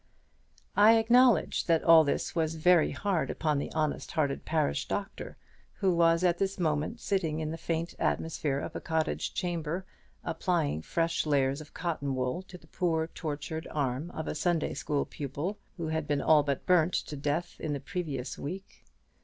I acknowledge that all this was very hard upon the honest hearted parish doctor, who was at this moment sitting in the faint atmosphere of a cottage chamber, applying fresh layers of cotton wool to the poor tortured arm of a Sunday school pupil, who had been all but burnt to death in the previous week.